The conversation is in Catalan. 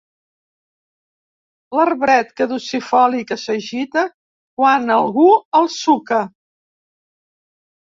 L'arbret caducifoli que s'agita quan algú el suca.